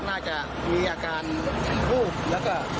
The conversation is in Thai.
เข้าให้ปากคำ